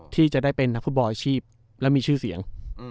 ที่จะได้เป็นนักฟุตบอลอาชีพและมีชื่อเสียง